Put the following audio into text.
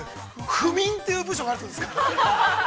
◆不眠という部署があるということですか？